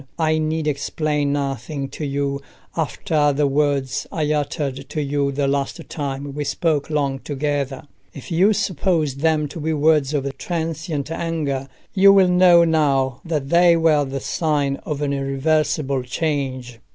I need explain nothing to you after the words I uttered to you the last time we spoke long together. If you supposed them to be words of transient anger, you will know now that they were the sign of an irreversible change.